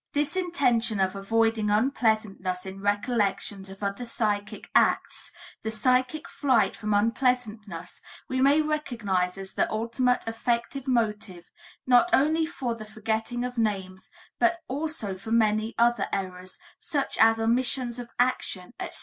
This intention of avoiding unpleasantness in recollections of other psychic acts, the psychic flight from unpleasantness, we may recognize as the ultimate effective motive not only for the forgetting of names, but also for many other errors, such as omissions of action, etc.